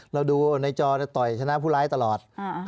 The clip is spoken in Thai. เราดูในจอต่อยชนะผู้ร้ายตลอด